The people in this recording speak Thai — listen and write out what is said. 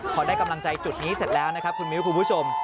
พอได้กำลังใจจุดนี้เสร็จแล้วนะครับคุณมิ้วคุณผู้ชม